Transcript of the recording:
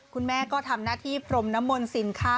คุณแม่ก็ทำหน้าที่พรมน้ำมนต์สินค้า